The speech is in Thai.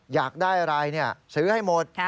อยากได้อะไรซื้อให้หมด